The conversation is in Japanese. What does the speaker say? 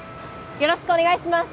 よろしくお願いします